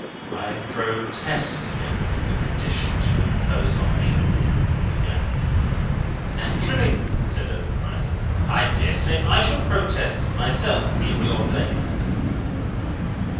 "I protest against the conditions you impose on me," he began. "Naturally," said Obenreizer; "I dare say I should protest, myself, in your place."